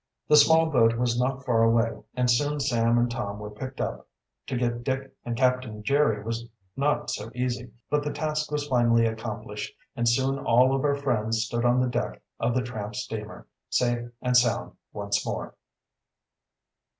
The small boat was not far away, and soon Sam and Tom were picked up. To get Dick and Captain Jerry was not so easy, but the task was finally accomplished, and soon all of our friends stood on the deck of the tramp steamer, safe and sound once more.